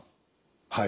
はい。